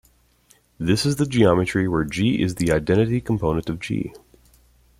This is the geometry where "G" is the identity component of "G".